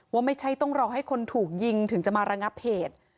ว่าไม่ใช่ต้องรอให้คนถูกยิงถึงจะมาระงับเหตุ